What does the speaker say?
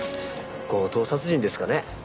強盗殺人ですかね？